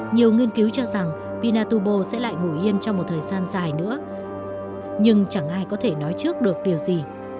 nhiều nghiên cứu cho rằng vinatubo sẽ lại ngủ yên trong một thời gian dài nữa nhưng chẳng ai có thể nói trước được điều gì